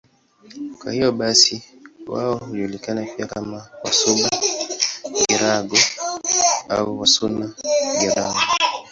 Kwa hiyo basi wao hujulikana pia kama Wasuba-Girango au Wasuna-Girango.